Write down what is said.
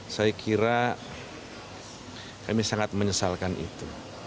saya kira kami sangat menyesalkan itu